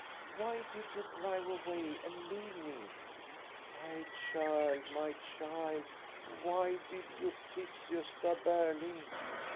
Why did you drive away and leave me?" " My child, my child, why did you kiss Gosta Berling?"